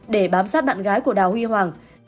để bám sát bạn gái của đào huy hoàng